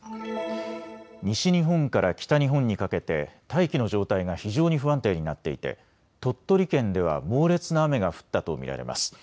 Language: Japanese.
西日本から北日本にかけて大気の状態が非常に不安定になっていて鳥取県では猛烈な雨が降ったと見られます。